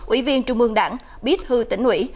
ủy viên trung mương đảng biết hư tỉnh ủy